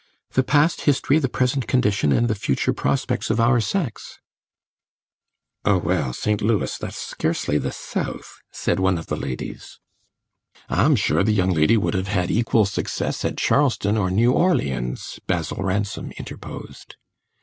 "The past history, the present condition, and the future prospects of our sex." "Oh, well, St. Louis that's scarcely the South," said one of the ladies. "I'm sure the young lady would have had equal success at Charleston or New Orleans," Basil Ransom interposed.